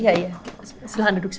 iya iya silahkan duduk